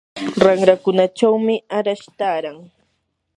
ranrakunachawmi arash taaran.